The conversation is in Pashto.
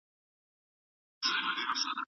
پخوانۍ پېړۍ يې د تورو پېړيو په نوم ياديږي.